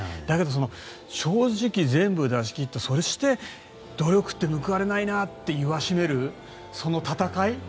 だけど、正直全部出し切ったそして、努力って報われないなって言わしめるその戦い。